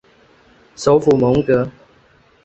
首府蒙戈。